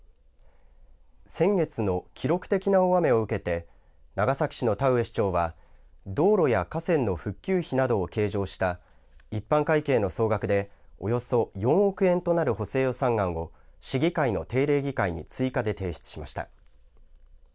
先月の記録的な大雨を受けて長崎市の田上市長は道路や河川の復旧費などを計上した一般会計の総額でおよそ４億円となる補正予算案を市議会の定例議会に追加で提出しました。